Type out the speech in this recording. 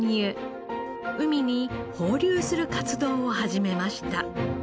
海に放流する活動を始めました。